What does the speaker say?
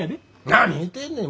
何言うてんねん！